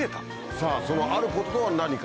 さぁそのあることは何か？